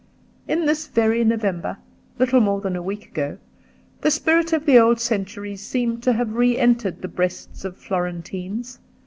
In this very November, little more than a week ago, the spirit of the old centuries seemed to have re entered the breasts of Florentines.